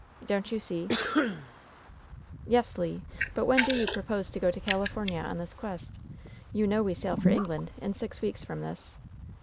Don*t you see ? "Yes, Le; but when do you propose to go to Cali fornia on this quest ? You hiow we sail for England in six weeks from this.